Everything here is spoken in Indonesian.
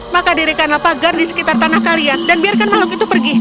maka dirikanlah pagar di sekitar tanah kalian dan biarkan makhluk itu pergi